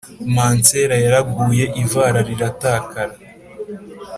Mansera yaraguye ivara riratakara